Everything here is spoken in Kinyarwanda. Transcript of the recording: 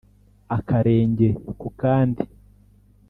akarenge ku kandi